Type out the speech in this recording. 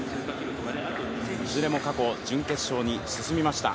いずれも過去、準決勝に進みました。